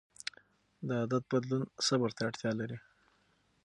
د عادت بدلون صبر ته اړتیا لري.